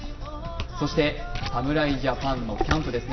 そして侍ジャパンのキャンプですね。